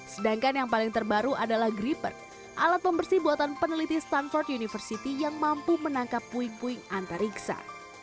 sedangkan yang paling terbaru adalah gripper alat pembersih buatan peneliti stanford university yang mampu menangkap puing puing antariksa